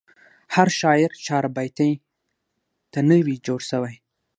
هر شاعر چاربیتې ته نه وي جوړسوی.